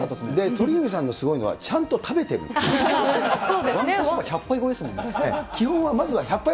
鳥海さんのすごいのは、ちゃんと食べてるっていう。